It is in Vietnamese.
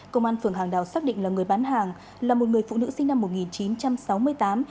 công an phường hàng đào xác định là người bán hàng là một người phụ nữ sinh năm một nghìn chín trăm sáu mươi tám